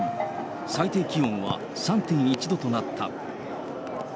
最低気温は３．１度となった。